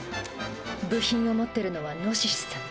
部品を持ってるのはノシシさん。